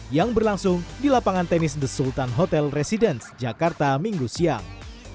yang berlangsung di lapangan tenis the sultan hotel residence jakarta minggu siang